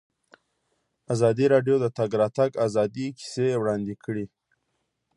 ازادي راډیو د د تګ راتګ ازادي کیسې وړاندې کړي.